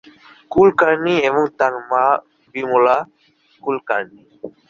কুলকার্নি এবং তার মা বিমলা কুলকার্নি।